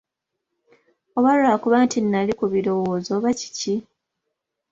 Oba lwakuba nti nnali mu birowoozo, oba kiki?